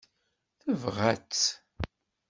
Tebɣa-tt.